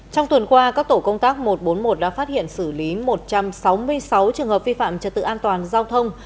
trong tuần qua các tổ công tác một trăm bốn mươi một đã phát hiện xử lý một trăm sáu mươi sáu trường hợp vi phạm trật tự an toàn giao thông